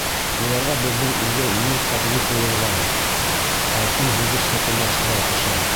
Уларға беҙҙең илгә инеү ҡәтғи тыйылған, һалҡын һуғыш закондары шулай ҡуша.